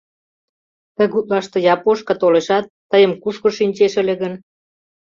Ты гутлаште япошка толешат, тыйым кушкыж шинчеш ыле гын!»